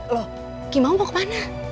loh ki mau kemana